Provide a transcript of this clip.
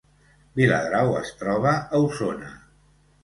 Viladrau es troba a Osona